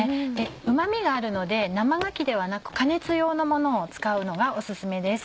うま味があるので生がきではなく加熱用のものを使うのがお薦めです。